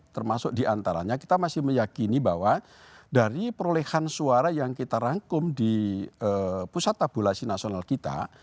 termasuk diantaranya kita masih meyakini bahwa dari perolehan suara yang kita rangkum di pusat tabulasi nasional kita